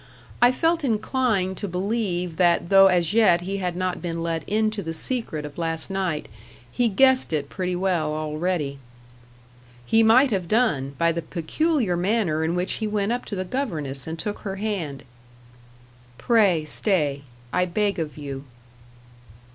I felt inclined to believe that though as yet he had not been let into the secret of last night, he guessed it pretty well already. He might have done, by the peculiar manner in which he went up to the governess and took her hand. "Pray stay; I beg of you."